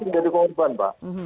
nanti tidak dikorban pak